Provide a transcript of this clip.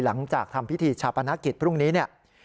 หลังจากทำพิธีชาปนกิจพรุ่งนี้เนี่ย